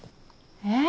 えっ？